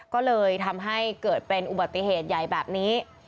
ก็เลยทำให้เกิดเป็นอุบัติเหตุใหญ่แบบนี้